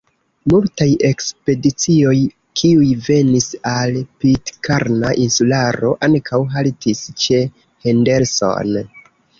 Multaj ekspedicioj, kiuj venis al Pitkarna Insularo, ankaŭ haltis ĉe Henderson.